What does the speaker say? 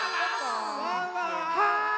・はい。